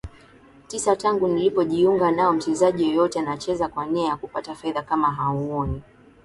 tisa tangu nilipojiunga naoMchezaji yeyote anacheza kwa nia ya kupata fedha kama huoni